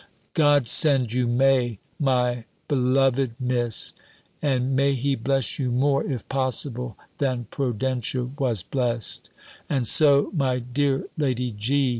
"God send you may, my beloved Miss! And may he bless you more, if possible, than Prudentia was blessed!" And so, my dear Lady G.